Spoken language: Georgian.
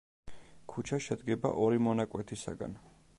ქუჩა შედგება ორი მონაკვეთისაგან.